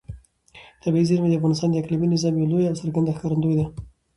طبیعي زیرمې د افغانستان د اقلیمي نظام یوه لویه او څرګنده ښکارندوی ده.